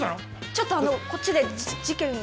ちょっとあのこっちで事件。